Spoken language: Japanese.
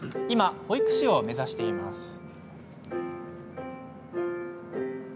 今、保育士を目指しています。